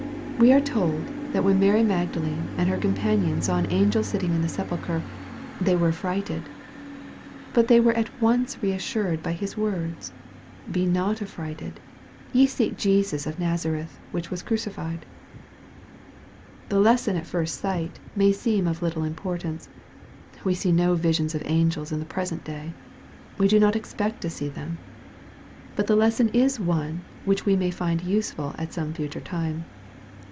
We" are told, that when Mary Magdalene and her companion saw an angel sitting in the sepulchre, "they were affrighted." But they were at once reassured by his words :" Be not affrighted : ye seek Jesus of Nazareth, which was crucified/' 'The lesson at first sight, may seem of little import ance. We see no visions of angels in the present day. We do not expect to see them. But the lesson is one which we may find useful at some future time.